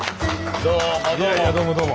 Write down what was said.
どうもどうも。